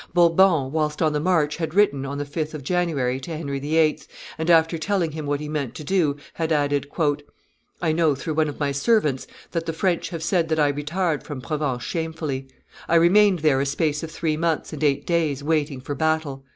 Bourbon, whilst on the march, had written, on the 5th of January, to Henry VIII., and, after telling him what he meant to do, had added, "I know through one of my servants that the French have said that I retired from Provence shamefully. I remained there a space of three months and eight days, waiting for battle.